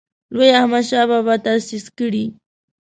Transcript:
لوی احمدشاه بابا تاسیس کړی.